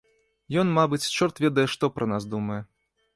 Ён, мабыць, чорт ведае што пра нас думае.